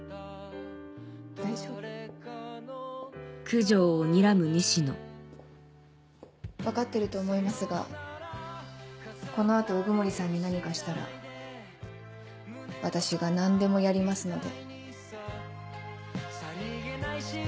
大丈夫。分かってると思いますがこの後鵜久森さんに何かしたら私が何でもやりますので。